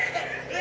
え！